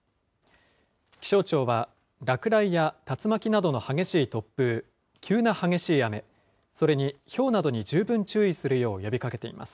気象庁は、落雷や竜巻などの激しい突風、急な激しい雨、それにひょうなどに十分注意するよう呼びかけています。